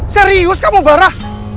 serius kamu barah